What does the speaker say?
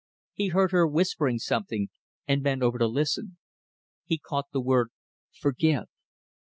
He heard her whispering something, and bent over to listen. He caught the word "Forgive."